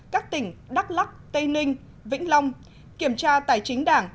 các tỉnh đắk lắc tây ninh vĩnh long kiểm tra tài chính đảng